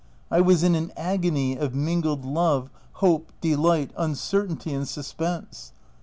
I was in an agony of mingled love, hope, de light, uncertainty, and suspense.